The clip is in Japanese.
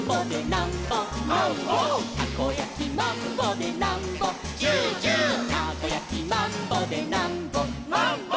「たこやきマンボでなんぼチューチュー」「たこやきマンボでなんぼマンボ」